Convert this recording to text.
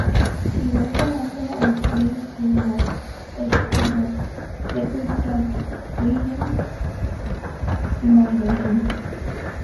He left a number of plays full of extravagant imagination.